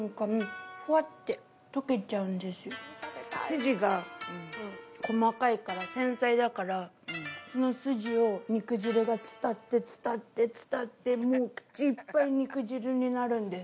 筋が細かいから繊細だからその筋を肉汁が伝って伝って伝ってもう口いっぱい肉汁になるんです。